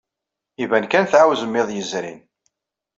Iban kan tɛawzem iḍ yezrin.